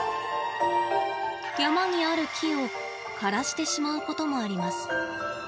山にある木を枯らしてしまうこともあります。